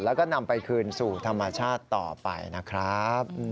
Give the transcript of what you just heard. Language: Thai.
แล้วก็นำไปคืนสู่ธรรมชาติต่อไปนะครับ